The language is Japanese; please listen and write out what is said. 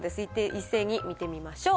一斉に見てみましょう。